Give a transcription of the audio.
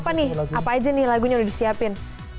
apa nih apa aja nih lagunya udah disiapin